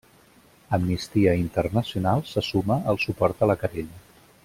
Amnistia Internacional se suma al suport a la querella.